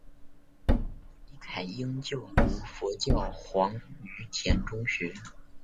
李凯茵就读佛教黄允畋中学。